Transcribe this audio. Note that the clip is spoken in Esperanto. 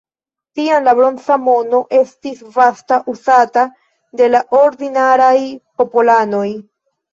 Tiam bronza mono estis vasta uzata de la ordinaraj popolanoj.